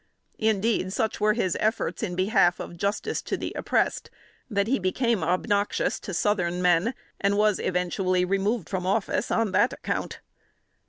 Indeed, such were his efforts in behalf of justice to the oppressed, that he became obnoxious to Southern men, and was eventually removed from office on that account.